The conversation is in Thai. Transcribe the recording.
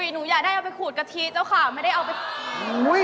หนึ่งอยากได้กระต่ายขูดกะทิเจ้าค่ะไม่ได้เอาไป